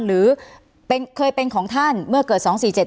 หรือเคยเป็นของท่านเมื่อเกิด๒๔๗